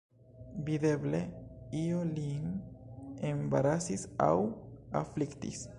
Videble io lin embarasis aŭ afliktis.